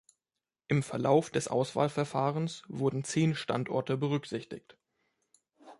Im Verlauf des Auswahlverfahrens wurden zehn Standorte berücksichtigt.